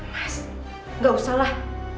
mas gak usahlah